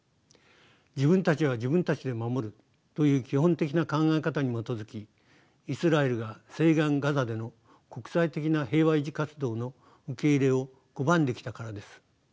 自分たちは自分たちで守るという基本的な考え方に基づきイスラエルが西岸ガザでの国際的な平和維持活動の受け入れを拒んできたからです。